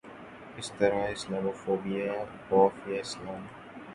اس طرح Islamophobia خوف یا اسلام